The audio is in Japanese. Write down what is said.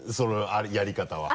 やり方は。